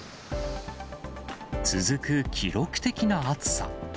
続く記録的な暑さ。